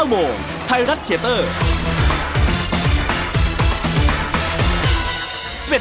๙โมงไทยรัฐเชียร์เตอร์